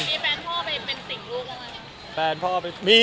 มีแฟนพ่อเป็นสิ่งลูกอะไรไหม